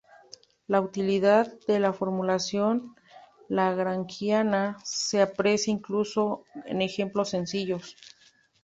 La utilidad de la formulación lagrangiana se aprecia incluso en ejemplos sencillos.